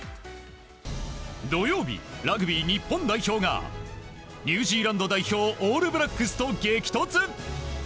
土曜日、ラグビー日本代表がニュージーランド代表オールブラックスと激突。